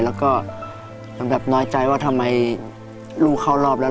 แล้วก็มันแบบน้อยใจว่าทำไมลูกเข้ารอบแล้ว